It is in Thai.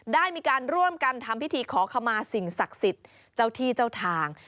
ได้มีการร่วมกันทำพิธีขอขมาสิ่งศักดิ์สิทธิ์เจ้าที่เจ้าทาง